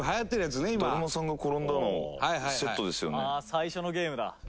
最初のゲームだ。